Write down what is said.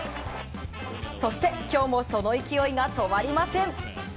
そして、今日もその勢いが止まりません！